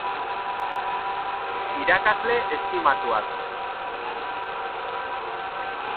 Irakasle estimatuak.